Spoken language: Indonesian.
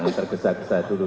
jangan tergesa gesa dulu